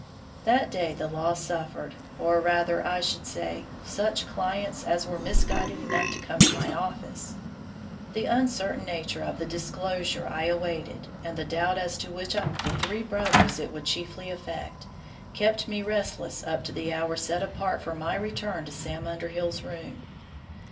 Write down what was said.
That day the law suffered, or, rather, I should say, such clients as were misguided enough to come to my office. The uncertain nature of the disclosure I awaited, and the doubt as to which of the three brothers it would chiefly affect, kept me restless up to the hour set apart for my return to Sam Underhill's room.